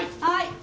はい！